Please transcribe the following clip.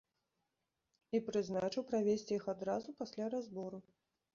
І прызначыў правесці іх адразу пасля разбору.